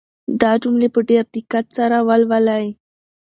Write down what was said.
دا جملې په ډېر دقت سره ولولئ.